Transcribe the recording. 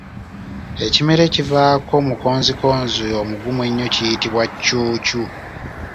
Ekimera ekivaako mukonzikonzi omugumu ennyo kiyitibwa Cuucu.